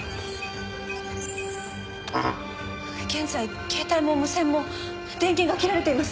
現在ケータイも無線も電源が切られています。